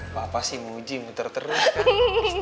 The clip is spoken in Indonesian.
papa sih muji muter terus kan